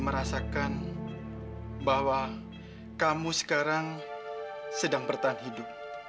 merasakan bahwa kamu sekarang sedang bertahan hidup